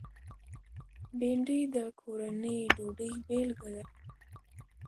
بېنډۍ د کورني ډوډۍ بېلګه ده